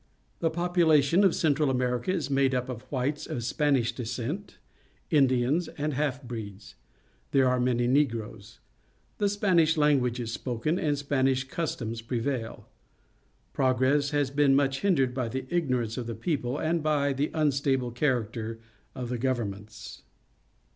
The population of Central .America is made up of whites of Spanish descent, Indians, and half breeds. There are many Negroes. The Spanish language is spoken, and Spanish customs prevail. Progress has been much hindered by the ignorance of the people and by the unstable character of the governments.